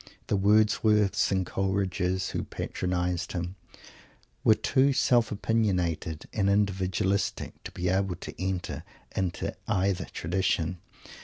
The Wordsworths and Coleridges who patronized him were too self opiniated and individualistic to be able to enter into either tradition.